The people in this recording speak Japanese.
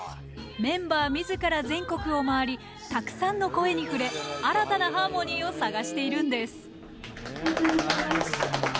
メンバーみずから全国を回りたくさんの声に触れ新たなハーモニーを探しているんです。